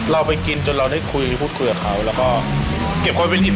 เราไปกินจนเราได้คุยพูดคุยกับเขาแล้วก็เก็บไว้เป็นอิ่ม